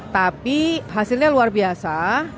tapi hasilnya luar biasa